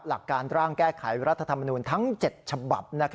หลักการร่างแก้ไขรัฐธรรมนูลทั้ง๗ฉบับ